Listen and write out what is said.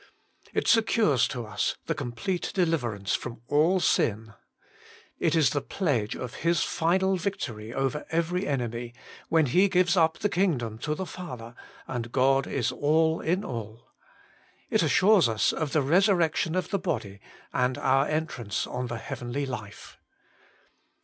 It secures to us the complete deliverance from all sin. It is the pledge of His final victory over every enemy, when He gives up the kingdom to the Father, and God is all in all. It assures us of the resurrection of the body, and our entrance on the heavenly life.